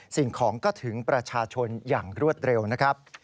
สิ่งของก็ถึงประชาชนอย่างรวดเร็วนะครับ